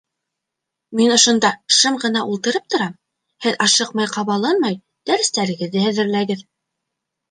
- Мин ошонда шым ғына ултырып торам, һеҙ ашыҡмай-ҡабаланмай дәрестәрегеҙҙе әҙерләгеҙ.